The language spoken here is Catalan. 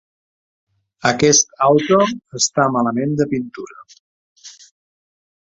Aquest auto està malament de pintura.